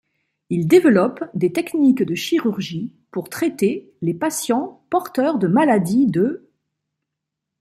Il développe des techniques de chirurgie pour traiter les patients porteurs de maladie de.